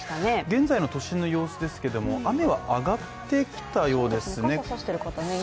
現在の都心の様子ですけれども雨は上がってきたようですね。